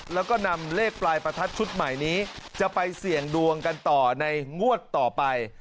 แล้วก็นำเลขปลายประทัดชุดใหม่นี้จะไปเสี่ยงดวงกันต่อในงวดต่อไป